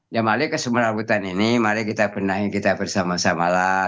ya malik kesemerawutan ini mari kita benahi kita bersama samalah